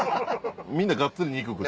みんながっつり肉食って。